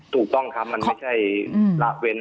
ถูกต้องครับมันไม่ใช่ละเว้น